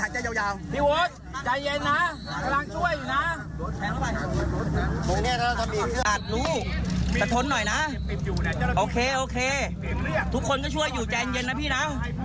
ผู้ชาวผู้หญิงน่ะผู้ชาวลูกสะท้นหน่อยน่ะ